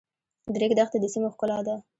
د ریګ دښتې د سیمو ښکلا ده.